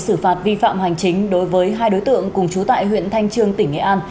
xử phạt vi phạm hành chính đối với hai đối tượng cùng chú tại huyện thanh trương tỉnh nghệ an